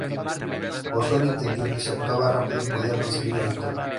Osorio entendió que si actuaba rápido podía conseguir la victoria.